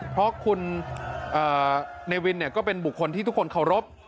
เพราะคุณเนวินก็เป็นบุคคลที่ทุกคนเคารพ